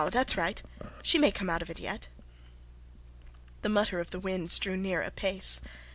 That's right. She may come out of it yet." The mutter of the winds drew near apace.